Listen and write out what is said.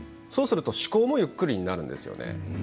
そうすると思考もゆっくりになるんですよね。